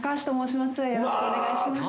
よろしくお願いします。